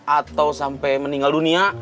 atau sampai meninggal dunia